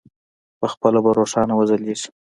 پخپله به روښانه وځلېږي.